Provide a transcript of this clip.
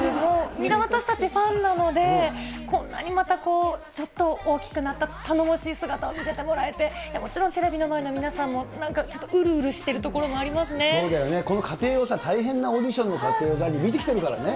みんな私たち、ファンなので、こんなにまた、ずっと大きくなった頼もしい姿を見せてもらえて、もちろんテレビの前の皆さんも、なんかうるうるそうだよね、この過程を、大変なオーディションの過程を、見てきてるからね。